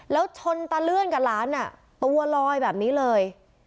แล้วชนตาเลื่อนกับหลานตัวลอยแบบนี้เลย